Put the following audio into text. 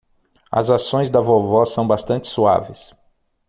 As ações da vovó são bastante suaves